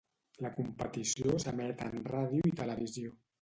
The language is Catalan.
La competició s'emet en ràdio i televisió.